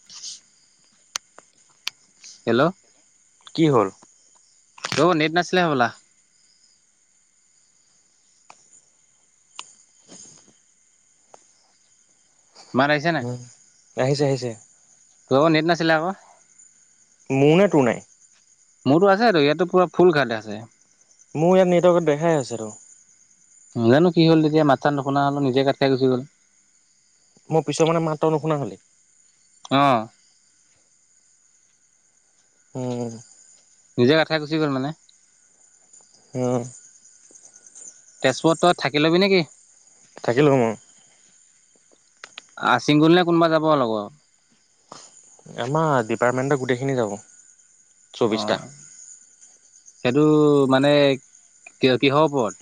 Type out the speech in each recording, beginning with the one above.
[inaudible] Hello কি হ'ল? ত' নেট নাছিলে হ'বলা। মাৰ আহিছে নাই, আহিছে আহিছে তোৰ আকৌ নেট নাছিলে আকৌ। মোৰ ন তোৰ নাই? মোৰতো আছে তো ইয়াতো পুৰা ফুল খাল আছে। মোৰ ইয়াত নেটৱৰ্কত দেখাই আছে আৰু। জানো কি হলতিয়া মা চানোুনা হল নিজে ক খাই গচি গ'ল। মই পিছৰ মানে মাত নশুনা হলি? অ'। উম। নিজে কথাাই গ'ল মানে। অ'। তেজপুৰত তই থাকি ল'বি নেকি? থাকিলোঁ' মই। আচিং গল ন কোনবা যাব লগত? আমাৰ ডিপাৰ্টমেণ্টত গোটেইখিনি যাব। চৌবিশটা অ' সেইটো মানে, কি কিহৰ ওপৰত?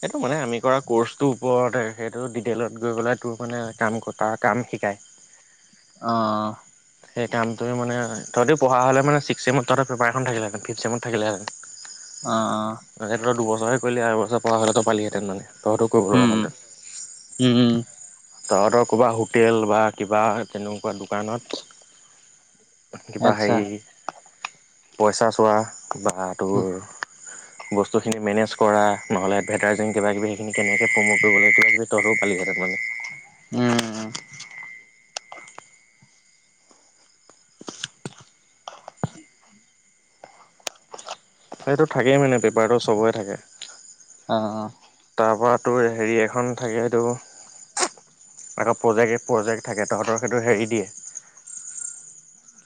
সেইটো মানে আমি কৰা ক'ৰ্চটোৰ ওপৰত সেইটো ডিটেইলত গৈ গ'লে তোৰ মানে কাম তাৰ কাম শিকায়। অ'। সেই কামটোৱে মানে তহঁতেও পঢ়া হ'লে মানে ছিক্স ছেম তহঁতৰ পেপাৰ এখন থাকিলহেঁতেন, ফিফথ ছেমত থাকিলেহেঁতেন। অ', অ'। তই দুবছৰেে কৰিলি, আৰু এবছৰ পঢ়া হ'লে পালিহেঁতেন মানে। তহঁতো কৰিব লগা উম উম উম হ'লহেঁতেন। তহঁতৰ ক'ৰবাত হোটেল বা কিবা তেনেকুৱা দোকানত কিবা আচ্ছা হেৰি পইচা চোৱা বা তোৰ [inaudible] বস্তুখিনি মেনেজ কৰা নহ'লে এডভাৰটাইজিং কিবা কিবি সেইখিনি কেনেকৈ প্ৰম'ট কৰিব লাগে কিবা কিবি তহঁতো পালিহে তাৰমানে। উম, উম। সটো থাকেই মানে পেপাৰতো চবৰে থাকে। অ', অ'। তাৰপৰা তোৰ হেৰি এখন থাকে তোৰ আকৌ প্ৰজেক্টে-প্ৰজেক্ট থাকে তহঁতৰ সেইটো হেৰি দিয়ে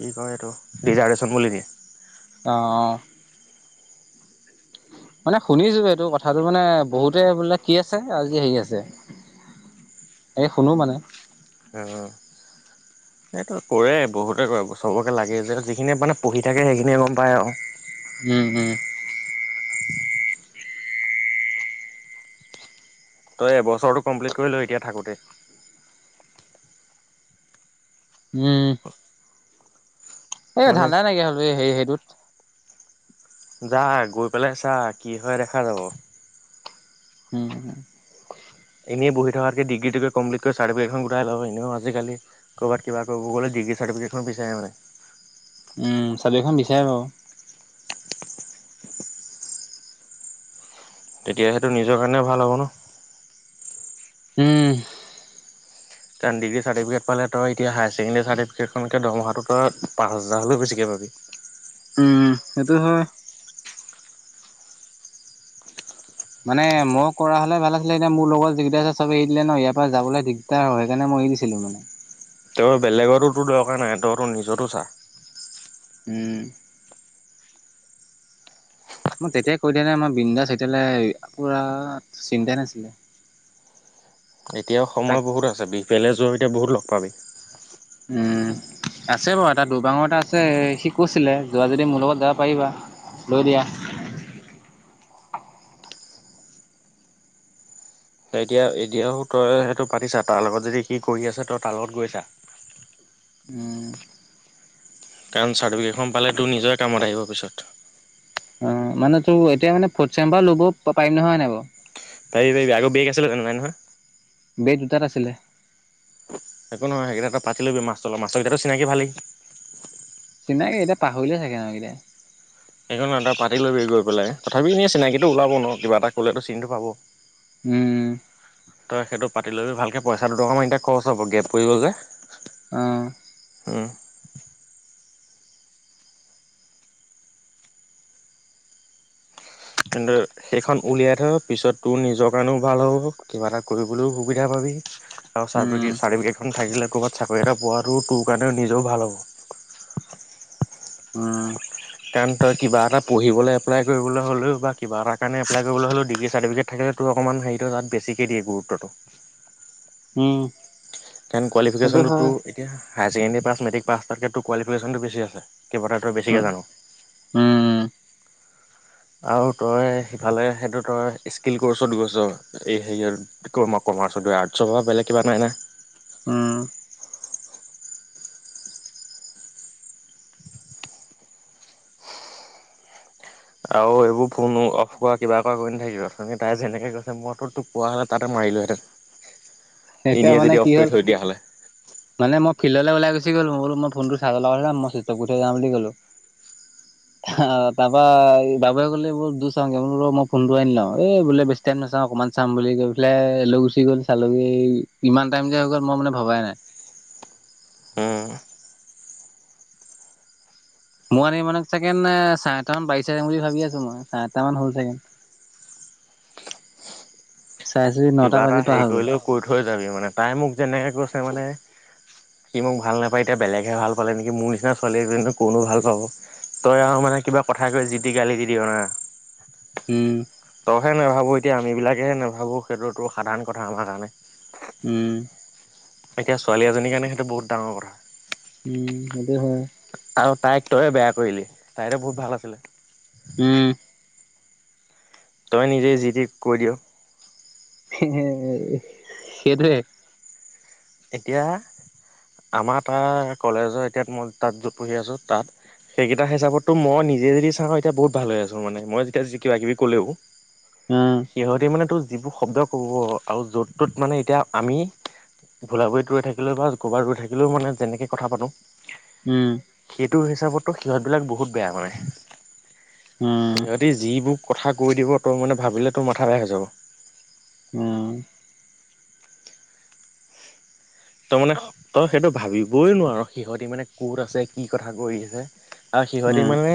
কি কয় এইটো, ডিজাৰ্টেশ্যন বুলি দিয়ে। অ', অ'। মানে শুনিছো এইটো কথাটো মানে, বহুতে বোলে কি আছে আজি হেৰি আছে। এই শুনো মানে। অ'। এইটো কৰে বহুতে কৰে চবকে লাগে যে, যিখিনিয়ে মানে পঢ়ি থাকে সেইখিনিয়ে গম পায় আৰু। উম, উম। তই এবছৰটো কমপ্লিট কৰি ল এতিয়া থাকোঁতে। উম। [unintelligible] এই মানে ধান্দাই নাইকিয়া হ'ল বে হে-হেইটোত। যা গৈ পেলাই চা কি হয় দেখা যাব। উম, উম। এনেই বহি থকাতকে ডিগ্ৰীটোকে কমপ্লিত কৰি চাৰ্টফিকেটখন গোটাই ল, এনেও আজিকালি ক'ৰবাত কিবা কৰিব গ'লে ডিগ্ৰী চাৰ্টিফিকেটখন বিচাৰে মানে। উম, চালিও এখন বিচাৰে বাৰু। তেতিয়া তোৰ নিজৰ কাৰণে ভাল হ'ব ন'। উম। কাৰণ ডিগ্ৰী চাৰ্টিফিকেট পালে তই এতিয়া হায় ছেকেণ্ডেৰি ৰ্টিফিকেখনতকে দৰমহাটো তই পাঁচ হাজাৰ হলেও বেছি পাবি। উম, সেইটো হয়। মানে মই কৰা হ'লে ভাল আছিলে, এতিয়া মোৰ লগত যি কেইটা আছে চবে এৰি দিলে ন', ইয়াৰ পৰা যাবলৈ দিগ্ দাৰ হয়, সেইকাৰণে মই এৰি দিছিলোঁ মানে। তোৰ বেলেগৰতো তোৰ দৰকাৰ নাই, তই তোৰ নিজৰ তো চা। উম। মই তেতিয়াই কৈ দিয়া হ'লে মই বিন্দাছ এতিয়ালে, পুৰা চিন্তাই নাছিলে। এতিয়াও তাক সময় বহুত আছে, বিহপুৰিয়ালে যোৱাও এতিয়া বহুত লগ পাবি। উম। আছে বাৰু এটা দুৰবাংৰ এটা আছে, সি কৈছিলে যোৱা যদি মোৰ লগত যাবা পাৰিবা, লৈ দিয়া। এতিয়া-এতিয়াও তই সেইটো পাতি ছা, তাৰ লগত যদি সি কৰি আছে তই তা লগত গৈ ছা। উম। কাৰণ চাৰ্টিফিকেটখন পালে তোৰ নিজৰে কামত আহিব পিছত। অ', মানে তোৰ এতিয়া মানে ফৰ্থ চেম পা ল'ব পা-পাৰিম নহয়, হয় নাই বাৰু। পাৰিবি-পাৰিবি, আগৰ বেক আছিলে জানো নাই নহয়। বেক দুটাত আছিলে। একো নহয় সেইকেইটা, তই পাতি লবি মাষ্টৰ লগত, মাষ্টৰ কেইটাটো চিনাকি ভালেই। চিনাকি, এতিয়া পাহৰিলে চাগে সিহঁত কেইটাই। একো নহয় তই পাতি লবি গৈ পেলাই, তথাপিও এনে চিনাকিটো ওলাব ন', কিবা এটা কলেটো চিনিটো পাব। উম। তই সেইটো পাতি লবি ভালকে, পইচা দুটকামান এতিয়া খৰছ হব গেপ পৰি গল যে। অ'। উম। কিন্তু সেইখন উলিয়াই থৈয়ো পিছত তোৰ নিজৰ কাৰণেও ভাল হ'ব, কিবা এটা কৰিবলৈও সুবিধা পাবি। আৰু উম, চাৰ্টিফিকে-চাৰ্টিফিকেটখন থাকিলে কবাত চাকৰি এটা পোৱাটো তোৰ কাৰণে নিজও ভাল হ'ব। উম। কাৰণ তই কিবা এটা পঢ়িবলে এপ্লাই কৰিবলৈ হলেও বা কিবা এটা কাৰণে এপ্লাই কৰিবলৈ হলেও ডিগ্ৰী চাৰটিফিকেট থাকিলে তোৰ অকমান হেৰিটো তাত বেছিকৈ দিয়ে গুৰুত্বটো। উম। কাৰণ সেইটো কোৱালিফিকেশ্যনতো হয়। তোৰ এতিয়া higher secondary pass matric pass কৰাটকে তোৰ কোৱালিফিকেশ্যনতো বেছি আছে। কিবা এটা ধৰ উম, বেছিকে জান। উম। আৰু তই সিফালে সেইটো তই স্কিল কৰ্চত গৈছ এই হেৰিয়ত ক আ মই কমাৰ্চত দ আৰ্টছৰ বা বলেগ কিবা নাই না। উম, আৰু এইবোৰ ফোনো অফ কৰা কিবা কৰা কৰি নাথাকিব অথনি তাই যেনেকে গৈছে মইোটো টোক পোৱা হ'লে তাতে মাৰিলোঁহেতে। এতিয়া মানে কি হ'ল দিয়া হ'লে। মানে মই ফিল্ডলৈ ওলাই গুচি গলো মই বোলো মই ফোনটো চাৰ্জ লগাই থৈ যাম বুলি'লো [unintelligible] [unintelligible] অ', তাৰপা এই বাবুে কলে ব দ চাওঁ কে ৰ মই ফোনটো আনিলাও এই বোলে [unintelligible] নাওঁ অকমান চাম বুলি গৈ পেলাই লৈ গুচি গ'ল চালোঁগে। এই ইমান টাইম যে হৈ গ'ল মই মানে ভবাই নাই। উম। মই এনেকে মানে চাগে চাৰে আঠটা মান বাজিছে যম বুলি ভাবি আছো মই চাৰে আঠটা মান হল চাগে। চাইচুহি নটা কিবা এটা বাজি পৰা হেৰি হৈ গল। কৰিলেও কৈ থৈ যাবি মানে তাই মোক যেনেকৈ কৈছে মানে সি মোক ভাল নাপায় এতিয়া বেলেগহে ভাল পালে নেকি মোৰ নিচিনা ছোৱাল এজনী কৰ নো ভাল পাব। তই আৰু মানে কিবা কথা কৈ যি টি গালি দি দিয় না। উম। তইহে নাভাবোঁ এতিয়া আমিবিলাকেহে নাভাবোঁ সেইটোতো সাধাৰণ কথা আমাৰ কাৰণে। উম। এতিয়া ছোৱালী এজনীৰ কাৰণে সেই বহুডাঙৰ কথা। উম, সেইটোয় হয়। আৰু তাইক তইে বেয়া কৰিলি তাইতে বহুত ভাল আছিলে। উম। তইে নিজে যিটি কৈ দিয়। সেইটোৱে। এতিয়া আমাৰ তটা কলেজৰ এতিয়া মই তাত য'ত পঢ়ি আছোঁ তাত সেইকেইটা হিচাপতো মই নিজে যদি চাওঁ এতিয়া বহুত ভাল আছো মানে মই যেতিয়া কিবা কিবি ক'লেও উম সিহতে মানে তোৰ যিবোৰ শব্দ ক'ব আৰু য'ত তত মানে এতিয়া আমি ভোলাবুৰিত ৰৈ থাকিলেও বা গোবাত ৰৈ থাকিলেও মানে যেনেকৈ কথা পাতোঁ উম। সেইটো হিচাপতো সিহঁতবিলাক বহুত বেয়া কৰে উম সিহঁতি যিবোৰ কথা কৈ দিব তই মানে ভাবিলে তোৰ মাথা বেয়া হৈ যাব। উম। তই মানে তই সেইটো ভাবিবই নোৱাৰ সিহঁতি মানে ক'ত আছে কি কথা কৈ আছে। আৰু সিহঁতে উম মানে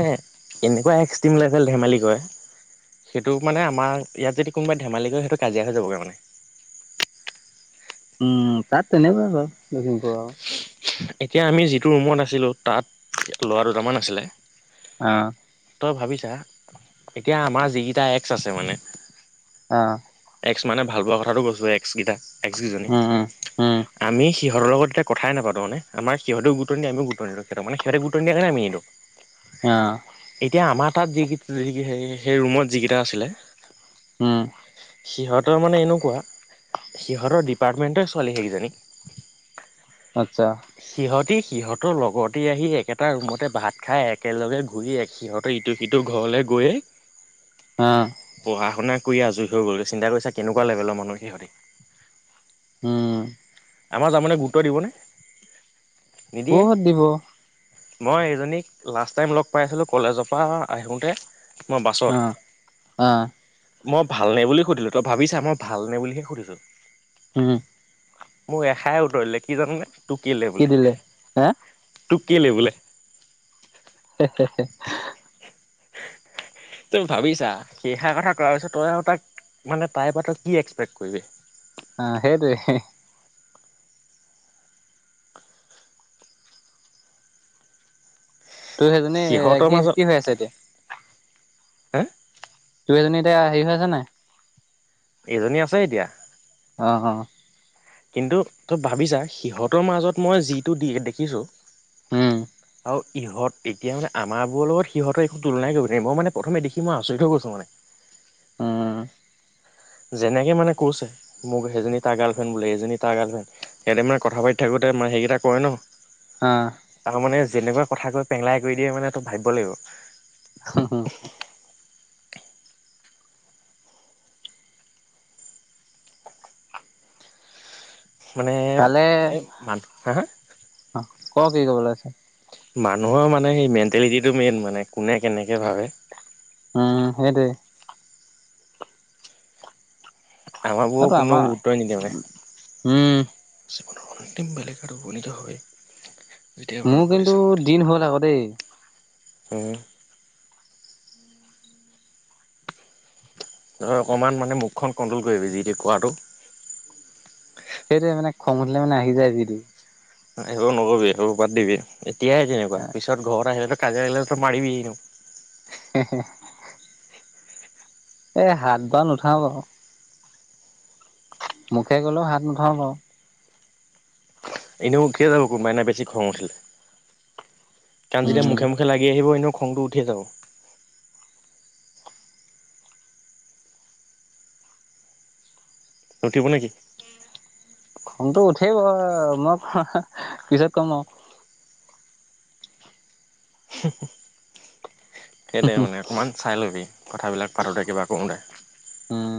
এনেকুৱা এক্সট্ৰিম লেভেল ধেমালি কৰে। সেইটো মানে আমাৰ ইয়াত যদি কোব ধমি কৰেৈ সেইটো কাজিয়া হৈ যাবগৈ মানে। উম, তাত তেনেকুৱা বাৰু লখিমপুৰ আৰু। এতিয়া আমি যিটো ৰুমত আছিলোঁ, তাত ল'ৰা দুটামান আছিলে। অ'। তই ভাবি ছা এতিয়া আমাৰ যিকেইটা এক্স আছে মানে। আহ এক্স মানে ভালপোৱা কথাটো কৈছোঁ এক্সকেইটা এক্সকেইজনী উম উম উম আমি সিহঁতৰ লগত এতি কথাই নাপাতো মানে আমাৰ সিহঁতেও গুৰুত্ব নিদিয়ে আমিও গুৰুত্ব নিদিওঁ। সিহঁতে গুৰুত্ব নিদিয়ে কাৰণে আমি নিদিওঁ। অ'। এতিয়া আমাৰ তাত [unintelligible] সেই ৰুমত যিকেইটা আছিলে। উম। সিহঁতৰ মানে এনেকুৱা, সিহঁতৰ ডিপাৰ্টমেণ্টৰ ছোৱালী সেইকেইজনী আচ্ছা। সিহঁতে সিহঁতৰ লগতে আহি একেটা ৰুমতে ভাত খাই একেলগে ঘূৰি সিহঁতৰ সিটো ঘৰলে গৈয়ে [unintelligible] অ'। পঢ়া শুনা কৰি আজৰি হৈ গ'ল চিন্তা কৰিছা কেনেকুৱা লেভেলৰ মানুহ সিহঁতি। হম। আমাৰ যামানে গুৰুত্ব দিবনে, নিদিয়ে। বহুত দিব আহ মই এইজনীক লাষ্ট টাইম লগ পাইছিলোঁ, কলেজৰ পৰা আহোঁতে। মই আহ বাছত। মই ভালনে বুলি সুধিলো, তই ভাবি ছা মই ভাল নে বুলিহে সুধিছো। হুম। মোৰ এষাৰে উত্তৰ দিলে কি জানোনে তোক কি লাগে বোলে দিলে হে তোক কি লাগে বোলে [unintelligible] [inaudible] তই ভাবিছা সেইষাৰ কথা কোৱাৰ পিছত তই আৰু তাক মানে তাইৰ পৰা তই কি এক্সপেক্ট কৰিবি। অ' সেইটোৱে তোৰ সেইজনী এ সিহঁতৰ কি মাজত কি হৈ আছে এতিয়া হে তোৰ এইজনী এতিয়া হেৰি হৈ আছে নাই এইজনী আছে এতিয়া। অ', অ'। কিন্তু তই ভাবি ছা সিহঁতৰ মাজত মই যিটো দি দেখিছোঁ। উম। আৰু ইহঁত এতিয়া মানে আমাৰবোৰৰ লগত সিহঁত একো তুলনাই কৰিব নোৱাৰি মই মানে প্ৰথমে দেখি, মই আচৰিত হৈ গৈছো মানে। উম। যেনেকে মানে কৈছে মোক সেইজনী তাৰ গাৰ্ল ফ্ৰেণ্ড বুলি দুজনী তাৰ গাৰ্লফ্ৰেণ্ড সিহঁতে মান কথা পাতি থাকোঁতে [unintelligible] কৰে ন। অ'। তাৰ মানে যেনেকুৱা কথা কৈ পেংলাই কৰি দিয়ে মানে তই ভাবিব লাগিব। [unintelligible] মানে এই মান হা হা অ' ক' কি ক'ব লে আছে। মানুহৰ মানে সেই মেণ্টেলিটিটো মেইন মানে কোনে কেনেকে ভাবে। উম সেইটোৱে আমাৰ অ বোৰ তো কোনো আমাৰ গুৰুত্বই নিদিয়ে মানে। উম জীৱনৰ অন্তিম বেলেগ আৰু উপণত হয়। মোৰ কিন্তু দিন হ'ল আকৌ দেই। উম। অকণমান মানে মুখখন কণ্ট্ৰল কৰিবি যিতি কোৱাটো। সেইটোৱে মানে খং উঠিলে মানে আহি যায় যি তি সেইবোৰ নকবি সেইবোৰ বাদ দিবি এতিয়াই তেনেকুৱা পিছত ঘৰত আহিলো কাজিয়া আহিল তো মাৰিবিনো। [unintelligible] এ হাত বাৰ নুঠাও বাৰু। মুখে ক'লেও হাত নুঠাও বাৰু। এনেও উঠিয়ে যাব কোনোবাদিনা বেছি খং উঠিলে। কাৰণ যেতিয়া উম মুখে মুখে লাগি আহিব এনেও খংটো উঠিয়ে যাব। নুঠিব নেকি? [inaudible] খংটো উঠেই বাৰু, মই পিছত কম আৰু সেইটোয়ে মানে অকণমান চাই ল'বি কথাবিলাক পাতোঁতে কিবা কৰোঁতে। উম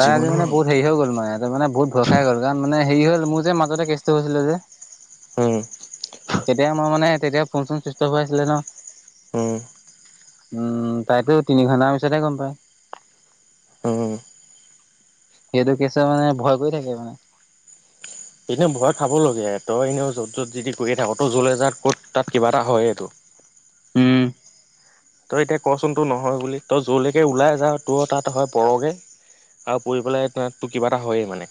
তাই আজি জীৱনৰ মানে বহুত হেৰি অন্তিম হৈ গল মানে, ত' মানে বহুত ভয় খাই গল কাৰণ মানে হেৰি হল মোৰ যে মাজতে কেছটো হৈছিলে যে উম, তেতিয়া মই মানে তেতিয়া ফোনচোন চুইচদ অফ হৈ আছিলে ন'। উম উম, তাইতো তিনি ঘণ্টা মান পিছতহে গম পায়। উম, সেইটো কেছে মানে ভয় কৰি থাকে মানে এনে ভয় খাবলগীয়া, তই এনেও য'ত য'ত যিতি কৰিয়ে থাক, তই য'লে যাত ক'ত তাত কিবা এটা হয়ে তোৰ। উম, তই এতিয়া কচোন তো নহয় বুলি, তই য'লৈকে ওলাই যাও তোৰ তাত হয় পৰগে আৰু পৰি পেলাই ত' তো কিবা এটা হয়ে মানে।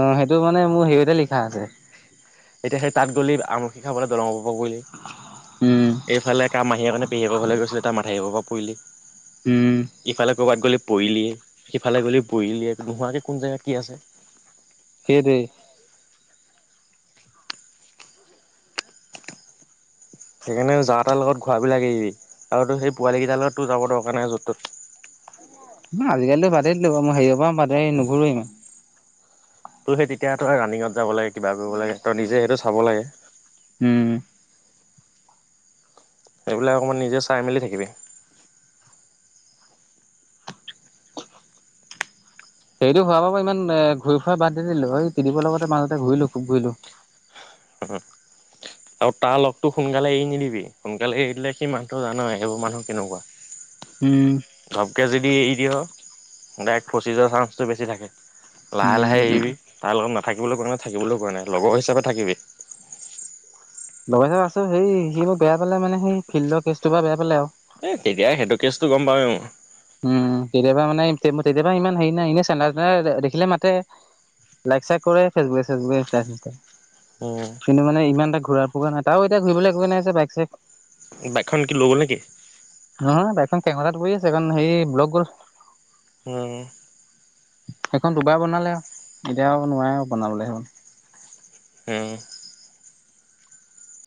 অ', সেইটো মানে মোৰ হেৰি অতে লিখা আছে। এতিয়া সেই তাত গ'লি আমলখি খাবলৈ দলং ওপৰ পৰা পৰিলি, উম এইফালে কাম মাহী একে নে, পেহী একৰ ঘৰলৈ গৈছিলি তা মাথাউৰী ওপৰ পৰা পৰিলি। উম, ইফালে ক'ৰবাত গ'লি পৰিলিয়ে, সিফালে গ'লি পৰিলিয়ে নোহোৱাকে কোন জেগাত কি আছে? সেইটোৱে সেইকাৰণে যাতাৰ লগত ঘূৰা ঘূৰি লাগিবি আৰু তোৰ সেই পোৱালি কেইটাৰ লগততো যাব দৰকাৰ নাই য'ত তত। উম, আজিকালিটো বাদেই দিলোঁ বাৰু, মই হেৰিৱৰ পৰা বাদেই নুঘূৰোৱে ইমান। তো সেই তেতিয়া তই ৰানিঙত যাব লাগে কিবা কৰিব লাগে তই নিজে সেইটো চাব লাগে। উম, এইবিলাক অকণমান নিজে চাই মেলি থাকিবি। সেইৰিটো হোৱা বাৰৰ পৰা ইমান এ ঘূৰি ফুৰা বাদ দি দিলো, সেই ত্ৰিদিবৰ লগতে মাজতে ঘূৰিলো খুব ঘূৰিলো। আৰু তাৰ লগতো সোনকালে এৰি নিদিবি, সোনকালে এৰি দিলে সি মানুহটো জানয়ে এইবোৰ মানুহ কেনেকুৱা। উম, ধপকৈ যদি এৰি দিয়, ডাইৰেক্ট ফচি যোৱাৰ চাঞ্চটো বেছি থাকে লাহে উম, লাহে এৰিবি। তাই লগত নাথাকিবলৈ কোৱা নাই থাকিবলৈ কোৱা নাই লগৰ হিচাপে থাকিবি। লগৰ হিচাপে আছোঁ, সেই সি মোক বেয়া পালে মানে সেই ফিল্ডৰ কেচটো পৰা বেয়া পালে আৰু। এ তেতিয়া সেইটো কেছতো গম পাওঁৱেই মই। উম, তেতিয়া পা মানে, তেতিয়া পা ইমান হেৰি নাই এনেই চেণ্টাৰ চেণ্টাৰ দেখিলে মাতে। লাইক চাইক কৰে ফেচবুকে, চেচবুকে, ইনষ্টা, চিনষ্টা উম, কিন্তু মানে ইমান এটা ঘূৰা ফূকা নাই, তাওঁ এতিয়া ঘূৰিলৈ একোৱে নাই যে বাইক চাইক। বাইকখন কি লৈ গ'ল নেকি? উ, বাইক খন কেং অতাত পৰি আছে সেইখন হেৰি ব্লক গল। উম, সেইখন দুবাৰ বনালে আৰু এতিয়া নোৱাৰে আৰু বনাবলে সেইখন। উম,